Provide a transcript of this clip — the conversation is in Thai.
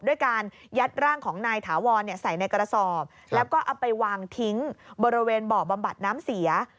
ด้วยการยัดร่างของนายถาวรใส่ในกระสอบแล้วก็เอาไปวางทิ้งบริเวณบ่อบำบัดน้ำเสีย